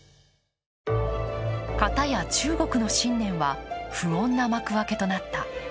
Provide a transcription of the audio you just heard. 片や中国の新年は不穏な幕開けとなった。